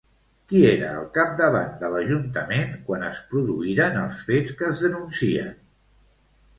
Qui era al capdavant de l'ajuntament quan es produïren els fets que es denuncien?